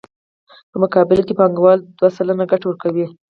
په مقابل کې یې بانکوال دوه سلنه ګټه ورکوي